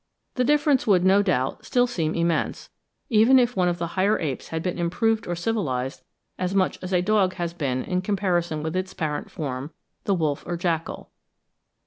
The difference would, no doubt, still remain immense, even if one of the higher apes had been improved or civilised as much as a dog has been in comparison with its parent form, the wolf or jackal.